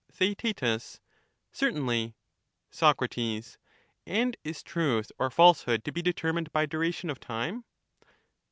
TheaeL Certainly. Sac. And is truth or falsehood to be determined by dura tion of time